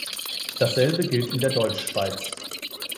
Dasselbe gilt in der Deutschschweiz.